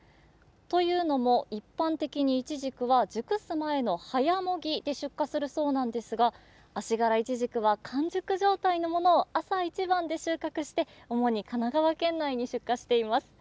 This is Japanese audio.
というのも、一般的にいちじくは熟す前の早もぎで出荷するそうなんですがあしがらいちじくは完熟状態のものを朝一番で収穫して主に神奈川県内に出荷しています。